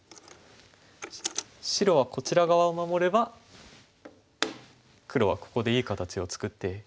白はこちら側を守れば黒はここでいい形を作って。